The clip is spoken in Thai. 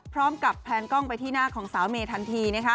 พร้อมกับแพนกล้องไปที่หน้าของสาวเมทันที